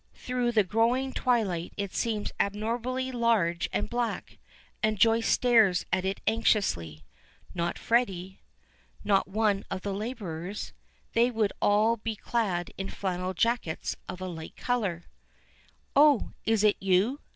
Through the growing twilight it seems abnormally large and black, and Joyce stares at it anxiously. Not Freddy not one of the laborers they would be all clad in flannel jackets of a light color. "Oh, is it you?"